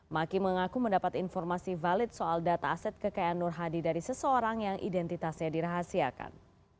maki mengaku mendapat informasi valid soal data aset kekayaan nur hadi dari seseorang yang identitasnya dirahasiakan